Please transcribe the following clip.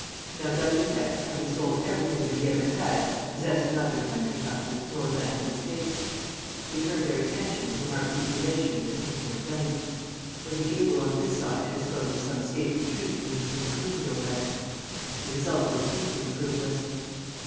Now d'Albufex, having sold everything that he ever had, possessed neither country houses nor landed estates. They turned their attention to the marquis' relations and intimate friends. Was he able on this side to dispose of some safe retreat in which to imprison Daubrecq? The result was equally fruitless.